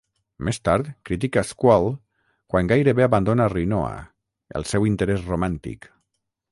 Més tard, critica Squall quan gairebé abandona Rinoa, el seu interès romàntic.